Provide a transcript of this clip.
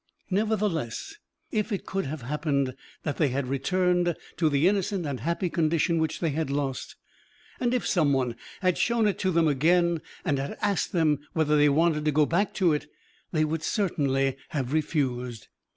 Nevertheless, if it could have happened that they had returned to the innocent and happy condition which they had lost, and if some one had shown it to them again and had asked them whether they wanted to go back to it, they would certainly have refused.